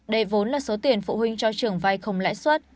đây vốn là số tiền phụ huynh cho trưởng vai không lãi suất